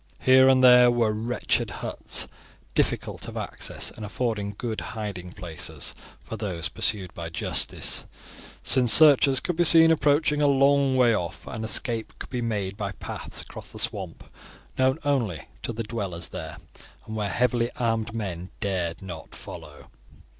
Here and there were wretched huts, difficult of access and affording good hiding places for those pursued by justice, since searchers could be seen approaching a long way off, and escape could be made by paths across the swamp known only to the dwellers there, and where heavily armed men dared not follow.